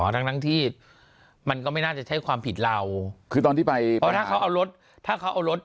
ทั้งที่มันก็ไม่น่าจะใช้ความผิดเราคือตอนที่ไปถ้าเขาเอารถ